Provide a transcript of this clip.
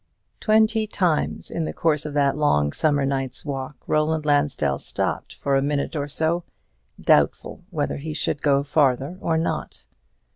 Twenty times in the course of that long summer night's walk Roland Lansdell stopped for a minute or so, doubtful whether he should go farther or not.